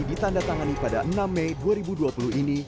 ditandatangani pada enam mei dua ribu dua puluh ini